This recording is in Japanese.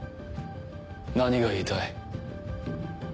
何が言いたい？